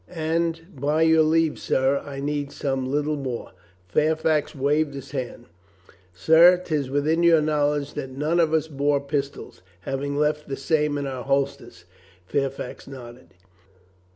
"And by your leave, sir, I need some little more." Fairfax waved his hand. "Sir, 'tis within your knowledge that none of us bore pistols, having left the same in our holsters." Fair fax nodded.